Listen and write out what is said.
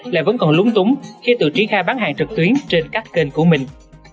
lại vẫn còn lúng túng khi tự triển khai bán hàng trực tuyến trên các kênh của mình